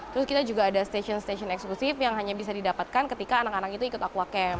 terus kita juga ada stesen stesen eksklusif yang hanya bisa didapatkan ketika anak anak itu ikut aqua camp